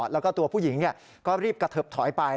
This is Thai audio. แล้วก็ตัวผู้หญิงก็รีบกระเทิบถอยไป